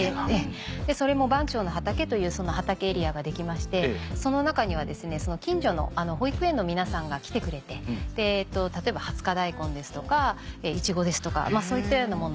それも「番町の畑」というその畑エリアが出来ましてその中には近所の保育園の皆さんが来てくれて例えばハツカダイコンですとかイチゴですとかそういったようなものを。